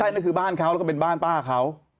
นั่นคือบ้านเขาแล้วก็เป็นบ้านป้าเขา